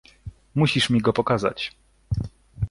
— Musisz mi go pokazać.